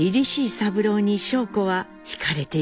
三郎に尚子は惹かれていきます。